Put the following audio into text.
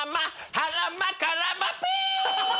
ハラマカラマピ！